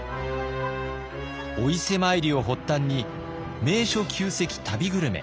お伊勢参りを発端に名所旧跡旅グルメ。